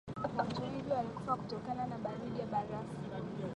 watu wengi walikufa kutokana na baridi ya barafu